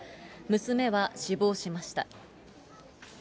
娘は死亡しました。